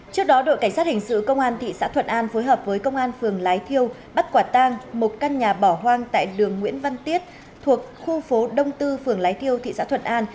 trước đó đội cảnh sát hình sự công an thị xã thuận an phối hợp với công an phường lái thiêu bắt quả tang một căn nhà bỏ hoang tại đường nguyễn văn tiết thuộc khu phố đông tư phường lái thiêu thị xã thuận an